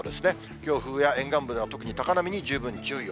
強風や沿岸部では特に高波に十分注意を。